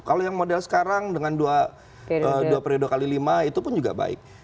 kalau yang model sekarang dengan dua periode dua kali lima itu pun juga baik